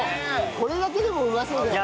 これだけでもうまそうじゃない？